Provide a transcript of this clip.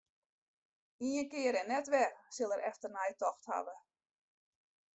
Ien kear en net wer sil er efternei tocht hawwe.